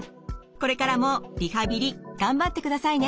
これからもリハビリ頑張ってくださいね。